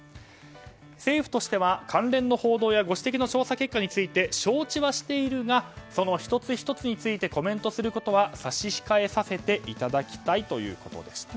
政府としては関連の報道やご指摘の調査結果について承知はしているがその１つ１つについてコメントすることは差し控えさせていただきたいということでした。